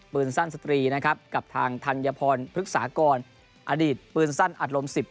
ปืนสั้นสตรีนะครับกับทางธัญพรพฤกษากรอดีตปืนสั้นอัดลม๑๐